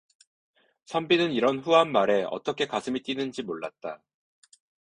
선비는 이런 후한 말에 어떻게 가슴이 뛰는지 몰랐다.